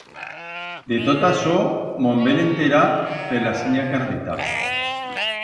De tot asó mo'n vem enterar per la sinya Carmeta.